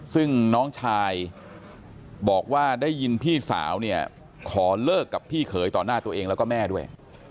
ซึ่งน้องชายบอกว่าได้ยินพี่สาวเนี่ยขอเลิกกับพี่เขยต่อหน้าตัวเองแล้วก็แม่ด้วย